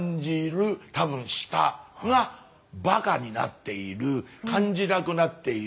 多分舌がバカになっている感じなくなっている。